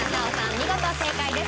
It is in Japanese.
見事正解です。